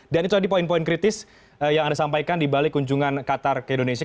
dan itu tadi poin poin kritis yang ada sampaikan di balik kunjungan qatar ke indonesia